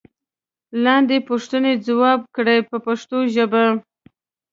لاندې پوښتنې ځواب کړئ په پښتو ژبه.